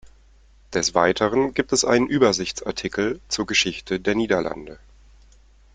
Des Weiteren gibt es einen Übersichtsartikel zur Geschichte der Niederlande.